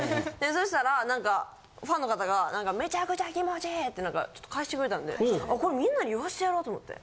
そしたら何かファンの方が「めちゃめちゃ気持ちいい！」ってちょっと何か返してくれたんでこれみんなに言わしてやろうと思って。